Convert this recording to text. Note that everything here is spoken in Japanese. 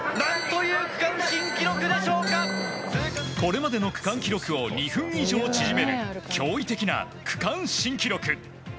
これまでの区間記録を２分以上縮め驚異的な区間新記録。